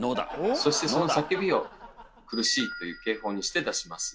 そしてその叫びを「苦しい」という警報にして出します。